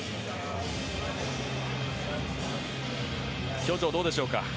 表情、どうでしょうか？